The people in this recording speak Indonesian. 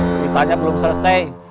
ceritanya belum selesai